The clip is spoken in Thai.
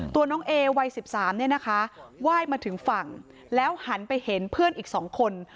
ตัวน้องเอวัย๑๓เนี่ยนะคะไหว้มาถึงฝั่งแล้วหันไปเห็นเพื่อนอีก๒คน